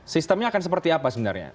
sistemnya akan seperti apa sebenarnya